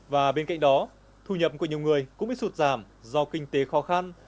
và bên cạnh đó thu nhập của nhiều người cũng bị sụt giảm do kinh tế khó khăn